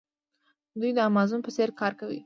دوی د امازون په څیر کار کوي.